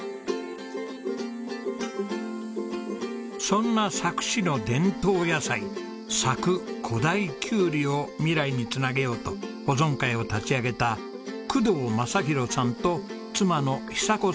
そんな佐久市の伝統野菜佐久古太きゅうりを未来に繋げようと保存会を立ち上げた工藤正博さんと妻の寿子さんが主人公です。